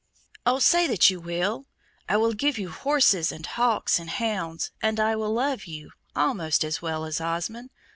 "Oh, say that you will! I will give you horses, and hawks, and hounds, and I will love you almost as well as Osmond.